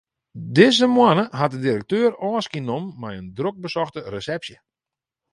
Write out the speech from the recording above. Dizze moanne hat de direkteur ôfskie nommen mei in drok besochte resepsje.